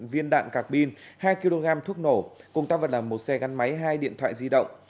một trăm tám mươi viên đạn cạc pin hai kg thuốc nổ cùng tác vật là một xe gắn máy hai điện thoại di động